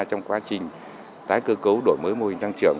trong quá trình tái cơ cấu đổi mới mô hình tăng trưởng